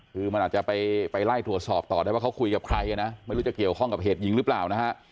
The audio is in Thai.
คือมันอาจจะไปไล่ตรวจสอบต่อได้ว่าเขาคุยกับใครนะไม่รู้จะเกี่ยวข้องกับเหตุยิงหรือเปล่านะฮะ